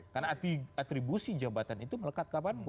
karena atribusi jabatan itu melekat kapanpun